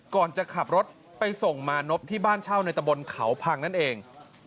ก่อนจะขับรถไปส่งมานพที่บ้านเช่าในตะบนเขาพังนั่นเอง